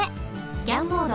スキャンモード。